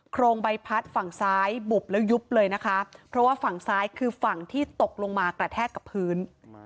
โรงใบพัดฝั่งซ้ายบุบแล้วยุบเลยนะคะเพราะว่าฝั่งซ้ายคือฝั่งที่ตกลงมากระแทกกับพื้น